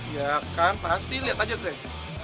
ya kan pasti liat aja deh